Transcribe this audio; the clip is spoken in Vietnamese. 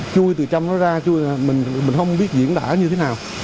chui từ trong đó ra chui ra mình không biết diễn đả như thế nào